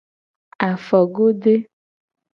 Afogode.